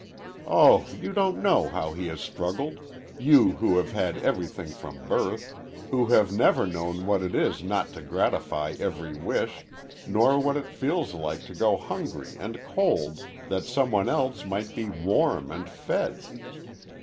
Oh, you don't know how he has struggled you who have had everything from birth who have never known what it is not to gratify every wish, nor what it feels like to go hungry and cold that some one else might be warm and fed."